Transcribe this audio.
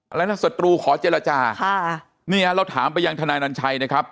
อะไรนะศัตรูขอเจรจาค่ะนี่ฮะเราถามไปยังทนายนัญชัยนะครับ